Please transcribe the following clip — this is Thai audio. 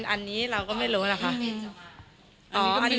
อันนี้เราก็ไม่รู้ล่ะค่ะ